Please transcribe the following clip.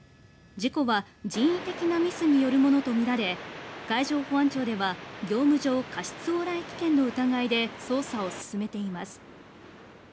事故は人為的なミスによるものとみられ海上保安庁では業務上過失往来危険の疑いで捜査を進めています。